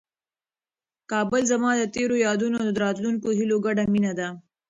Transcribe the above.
کابل زما د تېرو یادونو او د راتلونکي هیلو ګډه مېنه ده.